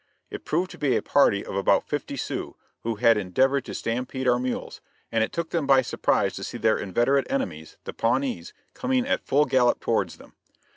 It proved to be a party of about fifty Sioux, who had endeavored to stampede our mules, and it took them by surprise to see their inveterate enemies the Pawnees coming at full gallop towards them.